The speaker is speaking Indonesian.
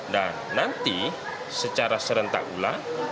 dan nanti secara serentak ulah